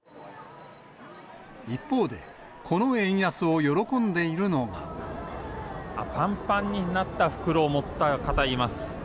一方で、あっ、ぱんぱんになった袋を持った方います。